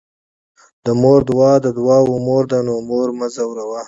د مور دعاء د دعاوو مور ده، نو مور مه ځوروه